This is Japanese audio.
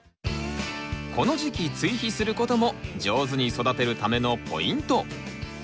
この時期追肥する事も上手に育てるためのポイント。